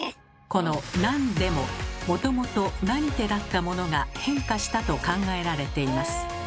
この「なんで」ももともと「なにて」だったものが変化したと考えられています。